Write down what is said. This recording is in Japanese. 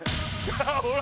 ほら！